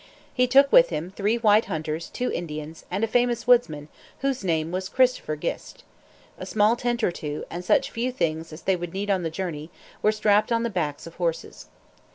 He took with him three white hunters, two Indians, and a famous woodsman, whose name was Christopher Gist. A small tent or two, and such few things as they would need on the journey, were strapped on the backs of horses.